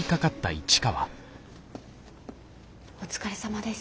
お疲れさまです。